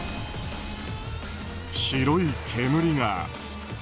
白い煙が。